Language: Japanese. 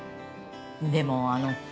でもあの。